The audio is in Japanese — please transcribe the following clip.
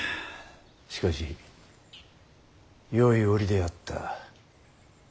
しかしよい折であった。